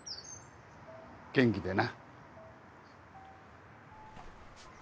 元気でな。